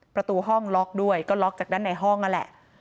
ประตูห้องล็อกด้วยก็ล็อกจากด้านในห้องนั่นแหละ